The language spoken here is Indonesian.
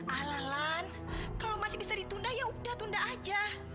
alalan kalau masih bisa ditunda yaudah tunda aja